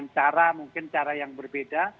cara mungkin cara yang berbeda